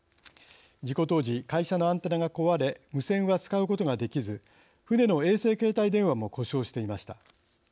事故当時会社のアンテナが壊れ無線は使うことができず船の衛星携帯電話も故障していました。